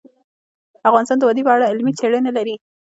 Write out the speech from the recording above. افغانستان د وادي په اړه علمي څېړنې لري.